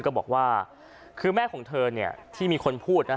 ก็บอกว่าคือแม่ของเธอที่มีคนพูดนะ